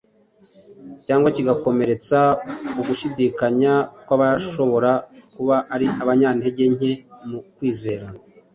cyangwa kigakomeretsa ugushidikanya kw’abashobora kuba ari abanyantege nke mu kwizera.